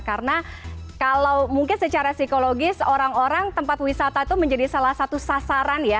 karena kalau mungkin secara psikologis orang orang tempat wisata itu menjadi salah satu sasaran ya